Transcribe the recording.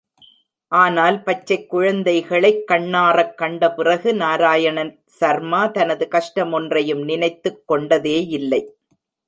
ஆனால், பச்சைக்குழந்தைகளைக் கண்ணாறக்கண்ட பிறகு, நாராயண சர்மா தனது கஷ்டமொன்றையும் நினைத்துக் கொண்டதேயில்லை.